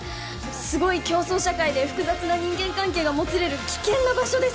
すごい競争社会で複雑な人間関係がもつれる危険な場所です